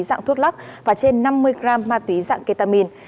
dạng thuốc lắc và trên năm mươi gram ma túy dạng ketamin